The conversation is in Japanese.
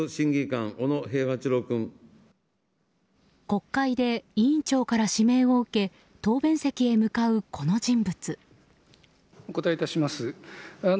国会で委員長から指名を受け答弁席に向かうこの人物。